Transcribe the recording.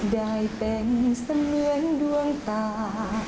ได้เป็นเสมือนดวงตา